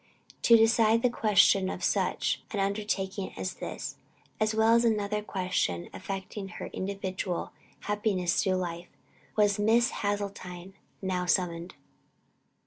To decide the question of such an undertaking as this, as well as another question affecting her individual happiness through life, was Miss Hasseltine now summoned.